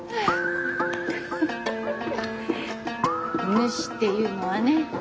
ヌシっていうのはね